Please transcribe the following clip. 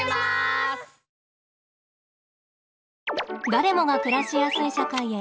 誰もが暮らしやすい社会へ。